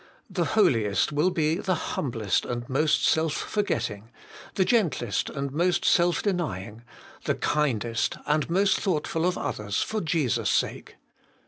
The holiest will be the humblest and most self forgetting, the gentlest and most self denying, the kindest and most thoughtful of others for Jesus' sake.